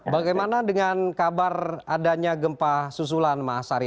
bagaimana dengan kabar adanya gempa susulan mas ari